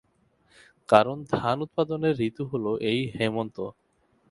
কারণ, ধান উৎপাদনের ঋতু হলো এই হেমন্ত।